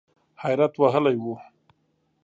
حیرت وهلی و .